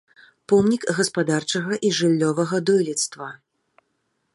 Помнік гаспадарчага і жыллёвага дойлідства.